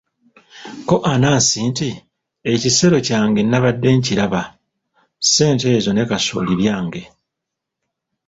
Ko Anansi nti, ekisero kyange nabadde nkiraba; ssente ezo ne kasooli byange!